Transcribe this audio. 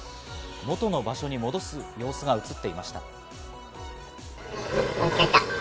元の場所に戻す様子が映っていました。